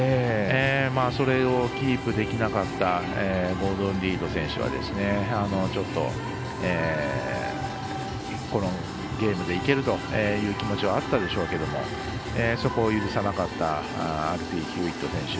それをキープできなかったゴードン・リード選手はちょっとこのゲームでいけるという気持ちはあったでしょうけどそこを許さなかったアルフィー・ヒューウェット選手。